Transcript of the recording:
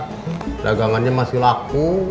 perdagangannya masih laku